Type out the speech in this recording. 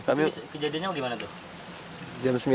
jadi kejadiannya gimana tuh